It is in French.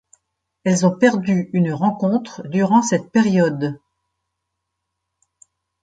Elles ont perdu une rencontre durant cette période.